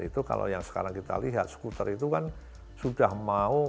itu kalau yang sekarang kita lihat skuter itu kan sudah mau